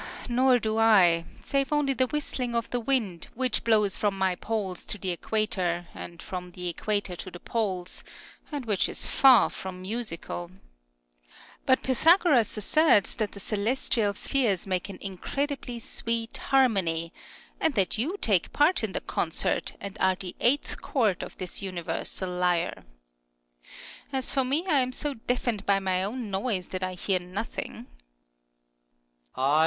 Earth. Nor do I ; save only the whistling of the wind, which blows from my poles to the equator, and from the equator to the poles, and which is far from musical. But Pythagoras asserts that the celestial spheres make an incredibly sweet harmony, and that you take part in the concert, and are the eighth chord of this universal lyre. As for me, I am so deafened by my own noise that I hear nothing.